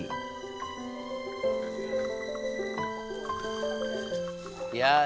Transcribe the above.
pembangunan di pembangunan